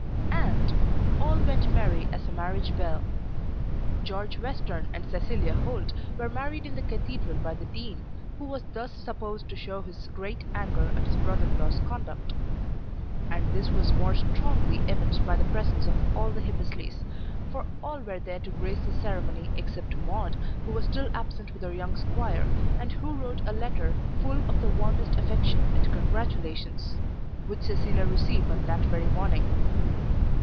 And "all went merry as a marriage bell." George Western and Cecilia Holt were married in the cathedral by the Dean, who was thus supposed to show his great anger at his brother in law's conduct. And this was more strongly evinced by the presence of all the Hippesleys; for all were there to grace the ceremony except Maude, who was still absent with her young squire, and who wrote a letter full of the warmest affection and congratulations, which Cecilia received on that very morning.